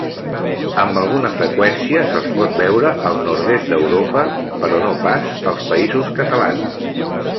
Amb alguna freqüència se'ls pot veure al nord-est d'Europa, però no pas als Països Catalans.